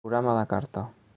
Programa a la carta.